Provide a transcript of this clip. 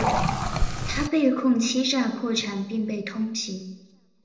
他被控欺诈破产并被通缉。